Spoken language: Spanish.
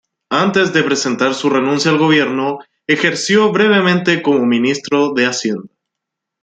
Antes de presentar su renuncia al gobierno, ejerció brevemente como ministro de Hacienda.